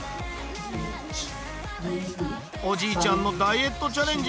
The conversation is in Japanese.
おじいちゃんのダイエットチャレンジ